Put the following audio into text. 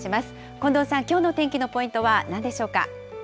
近藤さん、きょうの天気のポイントはなんでしょうか。